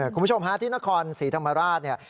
คุณผู้ชมฮะที่นครศรีธรรมราชเนี่ย